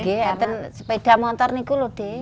iya itu sepeda motor itu